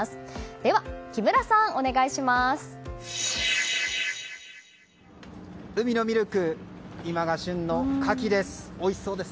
では木村さん、お願いします！